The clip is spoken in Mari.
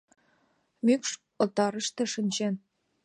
Мӱкшотарыште шинчен